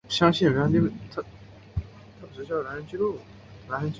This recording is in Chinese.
他现在效力于德国足球甲级联赛球队汉诺威。